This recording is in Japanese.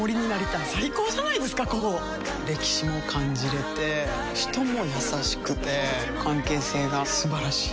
歴史も感じれて人も優しくて関係性が素晴らしい。